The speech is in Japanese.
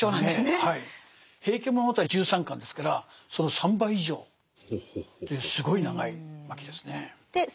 「平家物語」１３巻ですからその３倍以上というすごい長い巻ですね。